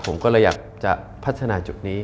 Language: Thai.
ผมก็เลยอยากจะพัฒนาจุดนี้